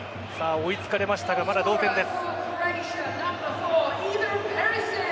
追いつかれましたがまだ同点です。